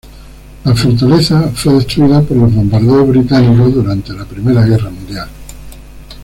La fortaleza fue destruida por los bombarderos británicos durante la Primera Guerra Mundial.